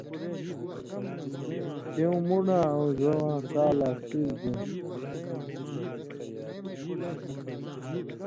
سېوں من٘ڈاں اؤن٘زہ واں تا لا سُوریۡ دېں،